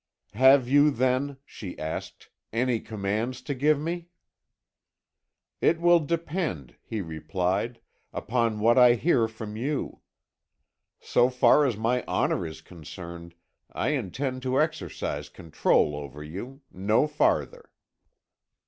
"'Have you, then,' she asked, 'any commands to give me?' "'It will depend,' he replied, 'upon what I hear from you. So far as my honour is concerned I intend to exercise control over you; no farther.'